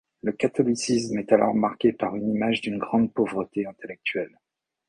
Le catholicisme est alors marqué par une image d'une grande pauvreté intellectuelle.